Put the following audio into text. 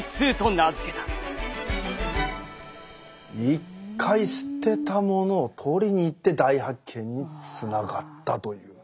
一回捨てたものを取りに行って大発見につながったという。